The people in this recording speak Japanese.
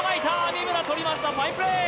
三村捕りましたファインプレー！